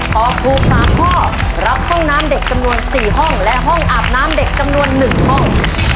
ตอบถูก๓ข้อรับห้องน้ำเด็กจำนวน๔ห้องและห้องอาบน้ำเด็กจำนวน๑ห้อง